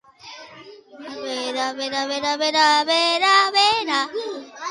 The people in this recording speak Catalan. Qui més era davant la premsa?